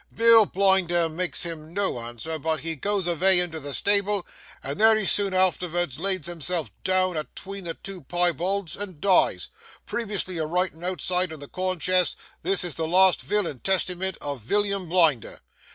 Bill Blinder makes him no answer, but he goes avay into the stable, and there he soon artervards lays himself down a'tween the two piebalds, and dies,—previously a writin' outside the corn chest, "This is the last vill and testymint of Villiam Blinder."